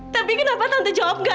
tapi kenapa nanti jawab gak